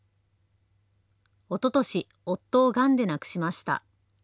おととし、夫をがんで亡くしました。